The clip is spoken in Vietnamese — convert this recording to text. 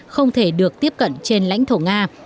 không thể được tiếp cận trên lãnh thổ nga